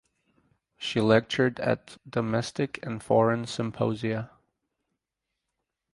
She lectured at domestic and foreign symposia.